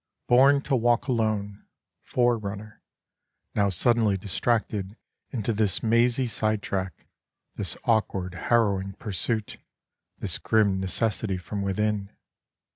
Born to walk alone, Forerunner, Now suddenly distracted into this mazy sidetrack, This awkward, harrowing pursuit, This grim necessity from within.